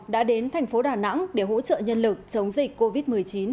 đã đến thành phố đà nẵng để hỗ trợ nhân lực chống dịch covid một mươi chín